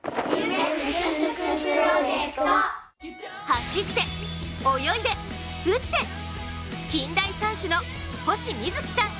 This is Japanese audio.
走って泳いで打って、近代三種の星瑞葵さん